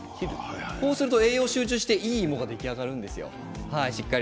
そうすると栄養が集中していい芋が出来上がります。